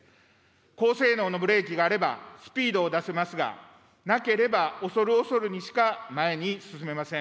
高性能のブレーキがあれば、スピードを出せますが、なければ恐る恐るにしか前に進めません。